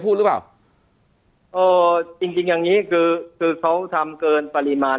พูดรึเปล่าจริงจริงอย่างนี้ก็ทำเกินปริมาณ